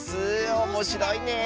おもしろいね！